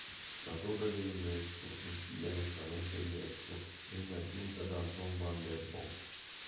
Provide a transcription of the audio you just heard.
La torre d'ingresso, il stile nettamente diverso, venne aggiunta da Antoine van der Burch.